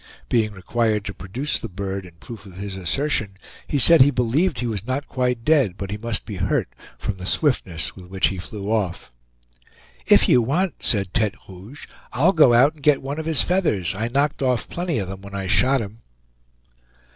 Being required to produce the bird in proof of his assertion he said he believed he was not quite dead, but he must be hurt, from the swiftness with which he flew off. "If you want," said Tete Rouge, "I'll go and get one of his feathers; I knocked off plenty of them when I shot him."